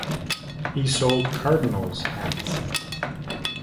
He sold cardinals' hats.